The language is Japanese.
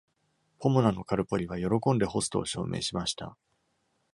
ポモナのカルポリは喜んでホストを証明しました。